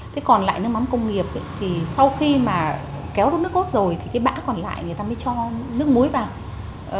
thế còn lại nước mắm công nghiệp thì sau khi mà kéo rút nước cốt rồi thì cái bã còn lại người ta mới cho nước muối vào